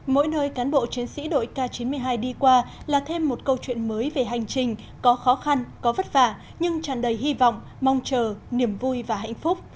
mỗi nơi cán bộ chiến sĩ đội k chín mươi hai đi qua là thêm một câu chuyện mới về hành trình có khó khăn có vất vả nhưng tràn đầy hy vọng mong chờ niềm vui và hạnh phúc